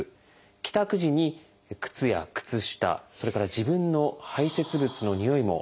帰宅時に靴や靴下それから自分の排せつ物のにおいも嗅いでみる。